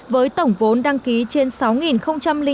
với tổng vốn đăng ký trên sáu chín triệu usd